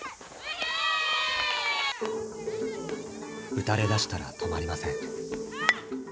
打たれだしたら止まりません。